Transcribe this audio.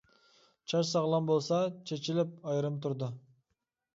چاچ ساغلام بولسا، چېچىلىپ، ئايرىم تۇرىدۇ.